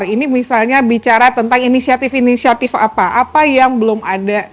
ini misalnya bicara tentang inisiatif inisiatif apa apa yang belum ada